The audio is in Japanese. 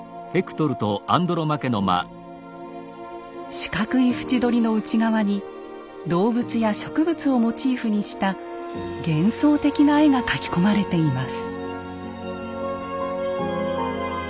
四角い縁取りの内側に動物や植物をモチーフにした幻想的な絵が描き込まれています。